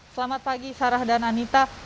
selamat pagi sarah dan anita